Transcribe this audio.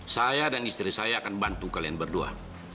saya dan istri saya akan bantu kalian berdua